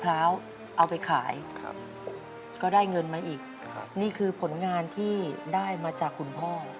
แล้วเอาไปขายก็ได้เงินมาอีกนี่คือผลงานที่ได้มาจากคุณพ่อ